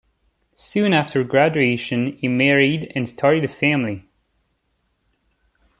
Soon after graduation he married and started a family.